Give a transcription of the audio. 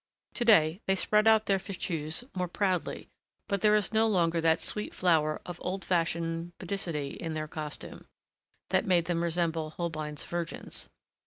To day, they spread out their fichus more proudly, but there is no longer that sweet flower of old fashioned pudicity in their costume that made them resemble Holbein's virgins.